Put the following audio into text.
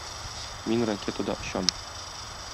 Мин ракетада очам.